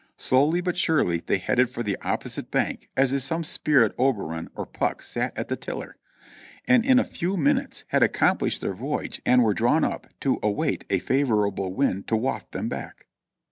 Slowly, but surely, they headed for the opposite bank as if some spirit Oberon or Puck sat at the tiller ; and in a few minutes had accomplished their voyage and were drawn up to await a favorable wind to waft them back.